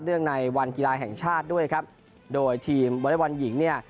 ในวันกีฬาแห่งชาติด้วยครับโดยทีมวอเล็กบอลหญิงเนี่ย